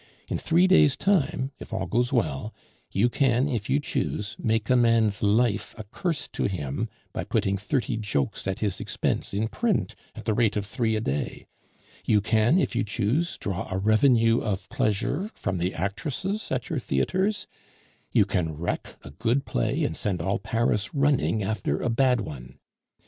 In three days' time, if all goes well, you can, if you choose, make a man's life a curse to him by putting thirty jokes at his expense in print at the rate of three a day; you can, if you choose, draw a revenue of pleasure from the actresses at your theatres; you can wreck a good play and send all Paris running after a bad one.